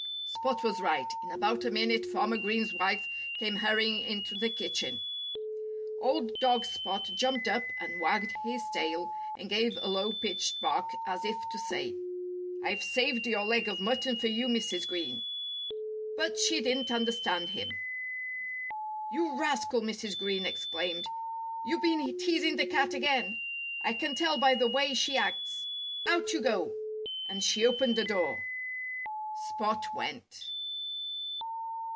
Spot was right. In about a minute Farmer Green's wife came hurrying into the kitchen. Old dog Spot jumped up and wagged his tail and gave a low pitched bark as if to say, "I've saved your leg of mutton for you, Mrs. Green." But she didn't understand him. "You rascal!" Mrs. Green exclaimed. "You've been teasing the cat again. I can tell by the way she acts. Out you go!" And she opened the door. Spot went.